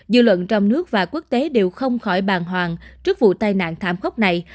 dự luận trong nước và quốc tế đều không khỏi bàn hoàng trước vụ tai nạn thảm khốc này